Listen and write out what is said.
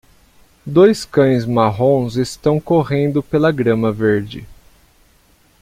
Dois cães marrons estão correndo pela grama verde.